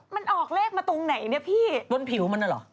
มันออกเลขมาตรงไหนเนี่ยพี่บนผิวมันน่ะเหรอ